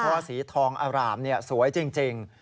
เพราะว่าสีทองอร่ามสวยจริง